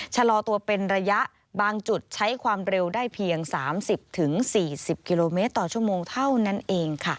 ชะลอตัวเป็นระยะบางจุดใช้ความเร็วได้เพียง๓๐๔๐กิโลเมตรต่อชั่วโมงเท่านั้นเองค่ะ